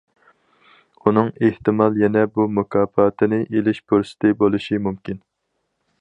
ئۇنىڭ ئېھتىمال يەنە بۇ مۇكاپاتىنى ئېلىش پۇرسىتى بولۇشى مۇمكىن!